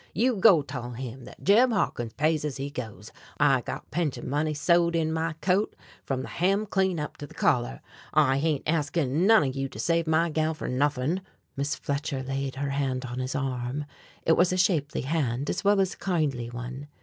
You go toll him that Jeb Hawkins pays ez he goes! I got pension money sewed in my coat frum the hem clean up to the collar. I hain't askin' none of you to cure my gal fer nothin'!" Miss Fletcher laid her hand on his arm. It was a shapely hand as well as a kindly one.